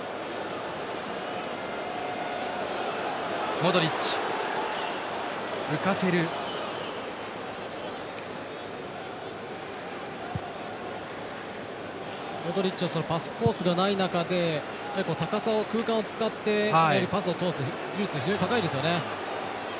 モドリッチのパスコースがない中で高さを空間を使ってパスを通す技術、非常に高いですよね。